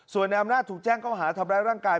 ส่วนในอำนาจถูกแจ้งเข้าหาทำร้ายร่างกาย